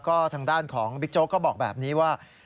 ก็ทางด้านของบิ๊กโจ๊กก็บอกแบบนี้ว่า